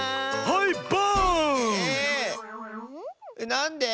なんで？